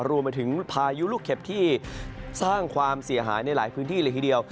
รวมไปถึงพายุลูกเข็บที่สร้างความเสียหายในหลายพื้นที่เลยทีเดียว